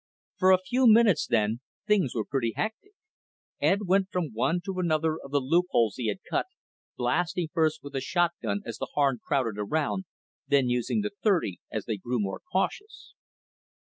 For a few minutes, then, things were pretty hectic. Ed went from one to another of the loopholes he had cut, blasting first with the shotgun as the Harn crowded around, then using the .30 as they grew more cautious.